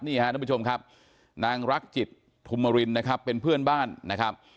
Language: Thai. ท่านผู้ชมครับนางรักจิตธุมรินนะครับเป็นเพื่อนบ้านนะครับ